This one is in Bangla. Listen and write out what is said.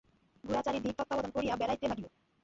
গোরা চারি দিক তত্ত্বাবধান করিয়া বেড়াইতে লাগিল।